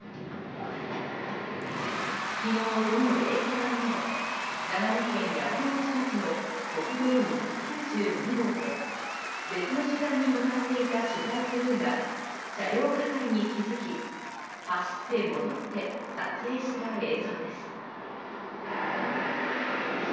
昨日午後０時半ごろ長野県山ノ内町の国道２９２号で別の取材に向かっていた取材クルーが車両火災に気づき走って戻って撮影した映像です。